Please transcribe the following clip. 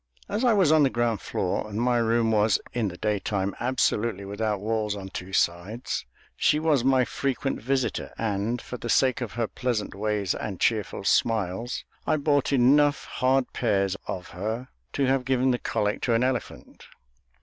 As I was on the ground floor, and my room was, in the daytime, absolutely without walls on two sides, she was my frequent visitor, and, for the sake of her pleasant ways and cheerful smiles, I bought enough hard pears of her to have given the colic to an elephant.